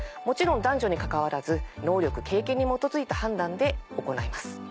もちろん男女にかかわらず能力経験に基づいた判断で行います。